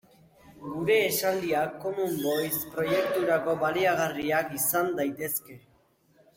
Gure esaldiak Common Voice proiekturako baliagarriak izan daitezke.